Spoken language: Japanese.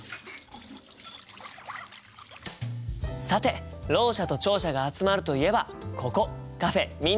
さてろう者と聴者が集まるといえばここカフェ「みんなの手話」ですよね。